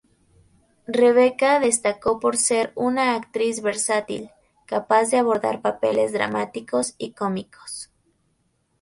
Rebeca destacó por ser una actriz versátil, capaz de abordar papeles dramáticos y cómicos.